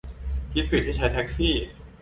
คิดผิดที่ใช้แท็กซี่